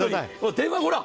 電話が、ほら。